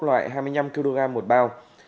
loại hai mươi năm kg một bao